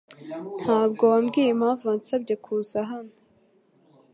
Ntabwo wambwiye impamvu wansabye kuza hano.